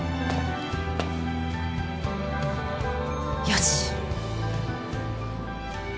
よし！